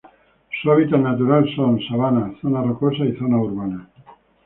Su hábitat natural son: sabana, zonas rocosas, y zona urbanas.